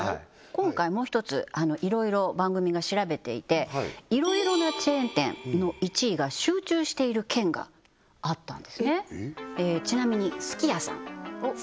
今回もう一ついろいろ番組が調べていていろいろなチェーン店の１位が集中している県があったんですね